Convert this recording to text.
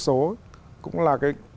số cũng là cái